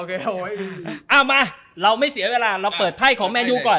เอามาเราไม่เสียเวลาเราเปิดไพ่ของแมนยูก่อน